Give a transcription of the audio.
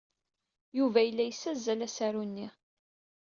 Yuba yella yessazzal asaru-nni.